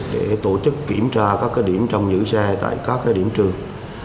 để tổ chức kiểm tra các điểm trong giữ xe tại các điểm trường